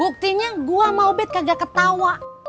buktinya gua sama obet kagak ketawa